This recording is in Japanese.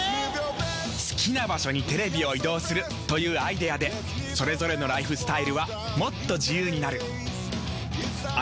好きな場所にテレビを移動するというアイデアでそれぞれのライフスタイルはもっと自由になる。